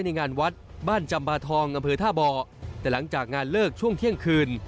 ในงานวัดบ้านจำบาทองอำเภอท่าบ่อแต่หลังจากงานเลิกช่วงเที่ยงคืน